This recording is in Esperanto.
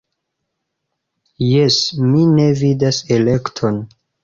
Jes, mi ne vidas elekton.